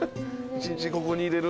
一日ここにいれる？